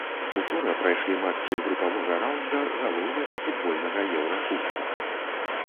Учора прайшлі матчы групавога раўнда галоўнага футбольнага еўракубка.